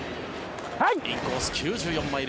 インコース、９４マイル。